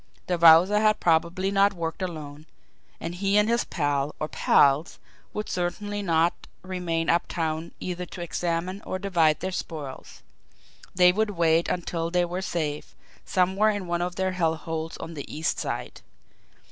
The Wowzer had probably not worked alone, and he and his pal, or pals, would certainly not remain uptown either to examine or divide their spoils they would wait until they were safe somewhere in one of their hell holes on the East Side.